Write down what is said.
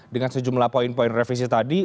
dengan sejumlah poin poin revisi tadi